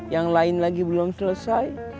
yang lain lagi belum selesai